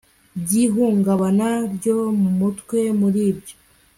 by ihungabana ryo mu mutwe muri byo